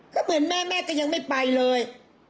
ก็เหมือนแม่แม่ก็ยังไม่ไปเลย